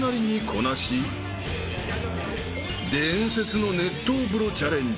［伝説の熱湯風呂チャレンジ］